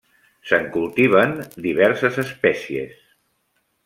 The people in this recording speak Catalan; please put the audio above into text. Se'n cultiven diverses espècies.